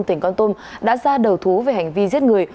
tỉnh con tum đã ra đầu thú về hành vi giết người